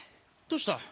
どうした？